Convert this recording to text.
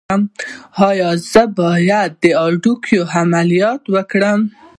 ایا زه باید د هډوکو عملیات وکړم؟